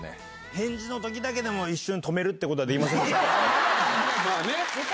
返事のときだけでも一瞬止めるってことはできませんか。